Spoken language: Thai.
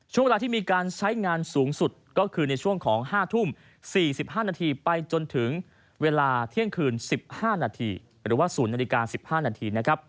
ช่วงเวลาที่มีการใช้งานสูงสุดก็คือในช่วงของ๕ทุ่ม๔๕นาทีไปจนถึงเวลาเที่ยงคืน๑๕นาทีหรือว่า๐นาฬิกา๑๕นาที